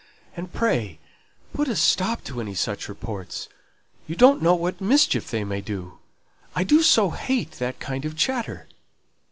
"And pray put a stop to any such reports; you don't know what mischief they may do. I do so hate that kind of chatter!"